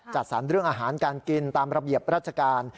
จัดสรรเรื่องอาหารการกินตามระเบียบราชการ